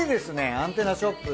アンテナショップ